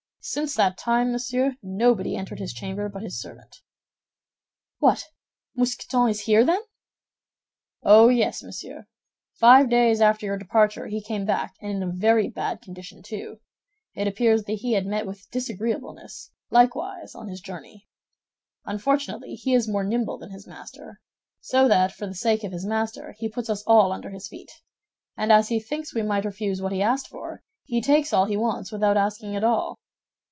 Since that time, monsieur, nobody entered his chamber but his servant." "What! Mousqueton is here, then?" "Oh, yes, monsieur. Five days after your departure, he came back, and in a very bad condition, too. It appears that he had met with disagreeableness, likewise, on his journey. Unfortunately, he is more nimble than his master; so that for the sake of his master, he puts us all under his feet, and as he thinks we might refuse what he asked for, he takes all he wants without asking at all."